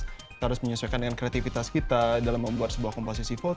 kita harus menyesuaikan dengan kreativitas kita dalam membuat sebuah komposisi foto